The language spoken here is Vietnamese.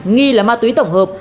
nghi là ma túy tổng hợp